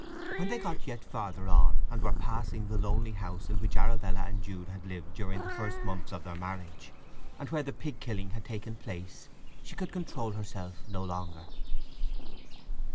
When they got yet farther on, and were passing the lonely house in which Arabella and Jude had lived during the first months of their marriage, and where the pig killing had taken place, she could control herself no longer.